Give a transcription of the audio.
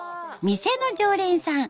店の常連さん